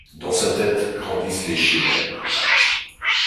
Dans sa tête grandissent des chimères.